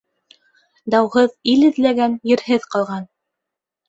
Дауһыҙ ил эҙләгән ерһеҙ ҡалған.